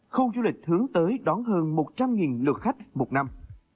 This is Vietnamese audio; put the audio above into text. khu du lịch hướng tới đón hơn một trăm linh lượt khách một năm